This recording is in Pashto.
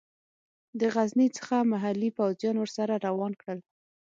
د غزني څخه محلي پوځیان ورسره روان کړل.